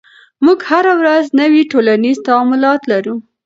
موږ هره ورځ نوي ټولنیز تعاملات لرو.